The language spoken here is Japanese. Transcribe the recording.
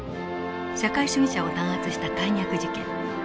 社会主義者を弾圧した大逆事件。